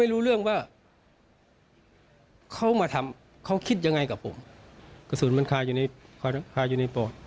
รู้เรื่องว่าเขามาทำเขาคิดยังไงกับผมกระสุนมันคาอยู่ในคาอยู่ในปอด